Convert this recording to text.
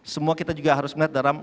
semua kita juga harus melihat dalam